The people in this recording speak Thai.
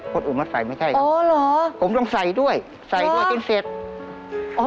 คนอื่นมันใส่ไม่ใช่ครับผมต้องใส่ด้วยใส่ด้วยจนเสร็จอ๋อเหรอ